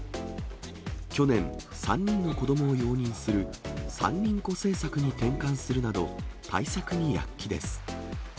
去年、３人の子どもを容認する３人っ子政策に転換するなど、対策に躍起です。